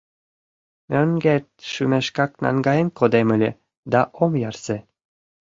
Мӧҥгет шумешкак наҥгаен кодем ыле да ом ярсе.